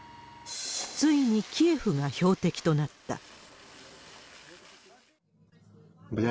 ついにキエフが標的となった。